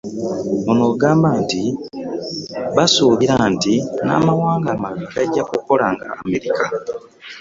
Ono agamba nti basuubira nti n'amawanga amalala gajja kukola nga Amerika.